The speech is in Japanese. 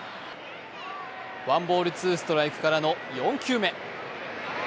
ワンボール・ツーストライクからの４球目。